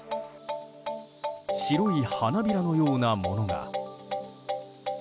白い花びらのようなものが。